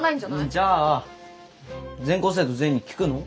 じゃあ全校生徒全員に聞くの？